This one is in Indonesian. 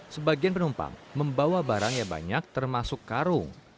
sebagian penumpang membawa barang yang banyak termasuk karung